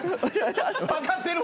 分かってるわ！